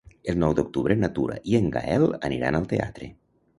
El nou d'octubre na Tura i en Gaël aniran al teatre.